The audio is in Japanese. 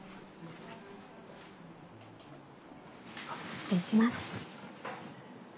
失礼します。